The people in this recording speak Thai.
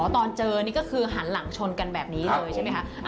ตอนเจอนี่ก็คือหันหลังชนกันแบบนี้เลยใช่ไหมคะ